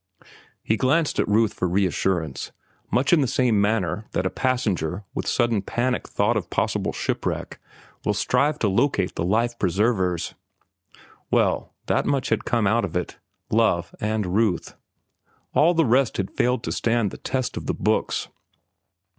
He glanced at Ruth for reassurance, much in the same manner that a passenger, with sudden panic thought of possible shipwreck, will strive to locate the life preservers. Well, that much had come out of it—love and Ruth. All the rest had failed to stand the test of the books.